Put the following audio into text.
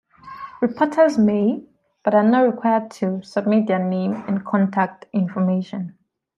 Reporters may, but are not required to, submit their name and contact information.